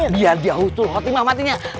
biar dia utuh khotimah matinya